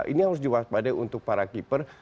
ini harus diwaspadai untuk para keeper